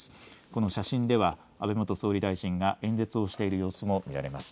この写真では安倍元総理大臣が演説をしている様子も見られます。